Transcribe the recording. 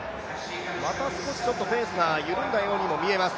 また少しペースが緩んだように見えます。